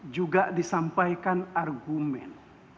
juga disampaikan argumen